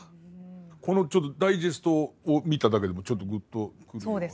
このちょっとダイジェストを見ただけでもちょっとぐっとくるものがある。